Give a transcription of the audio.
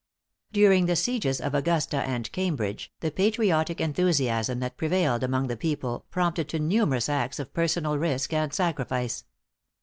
During the sieges of Augusta and Cambridge, the patriotic enthusiasm that prevailed among the people prompted to numerous acts of personal risk and sacrifice.